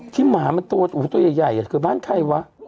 ที่หมามันโตโอ้โฮตัวใหญ่คือบ้านใครวะ